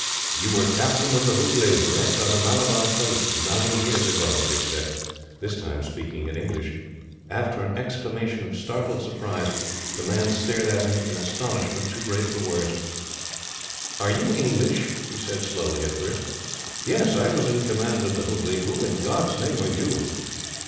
"You were captain of the Hooghley, wrecked on the Malabar coast, nine years ago," Dick said, this time speaking in English. After an exclamation of startled surprise, the man stared at him in an astonishment too great for words. "Are you English?" he said slowly, at last. "Yes, I was in command of the Hooghley. Who, in God's name, are you?"